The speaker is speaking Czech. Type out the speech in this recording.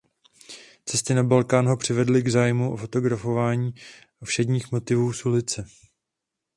Cesty na Balkán ho přivedly k zájmu o fotografování všedních motivů z ulice.